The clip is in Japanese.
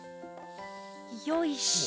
よいしょ。